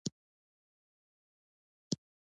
پکتیا د افغان نجونو د پرمختګ لپاره فرصتونه برابروي.